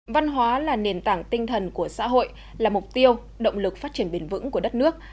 văn hóa là nền tảng tinh thần của xã hội là mục tiêu động lực phát triển bền vững của đất nước